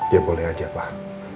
ya boleh aja pak